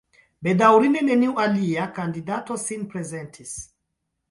Bedaŭrinde neniu alia kandidato sin prezentis.